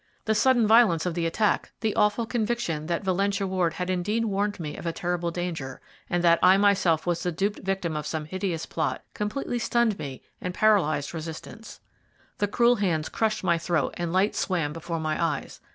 The sudden violence of the attack, the awful conviction that Valentia Ward had indeed warned me of a terrible danger, and that I myself was the duped victim of some hideous plot, completely stunned me and paralyzed resistance. The cruel hands crushed my throat and light swam before my eyes.